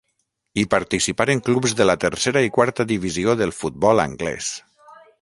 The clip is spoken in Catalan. Hi participaren clubs de la tercera i quarta divisió del futbol anglès.